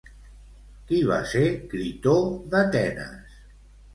Qui va ser Critó d'Atenes?